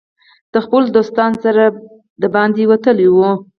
د خپلو دوستانو سره بهر وتلی وو